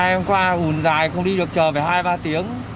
hai hôm qua hùn dài không đi được chờ phải hai ba tiếng